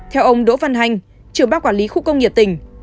theo ông đỗ văn hành trưởng ban quản lý khu công nghiệp tỉnh